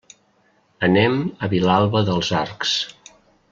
Anem a Vilalba dels Arcs.